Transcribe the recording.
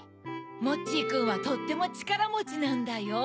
モッチーくんはとってもちからもちなんだよ。